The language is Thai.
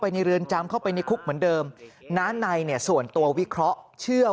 ในเรือนจำเข้าไปในคุกเหมือนเดิมน้าในเนี่ยส่วนตัววิเคราะห์เชื่อว่า